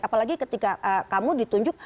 apalagi ketika kamu ditunjuk